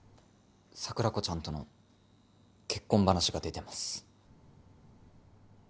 桜子ちゃんとの結婚話が出てます。